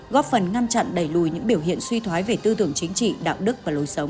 góp phần ngăn chặn đẩy lùi những biểu hiện suy thoái về tư tưởng chính trị đạo đức và lối sống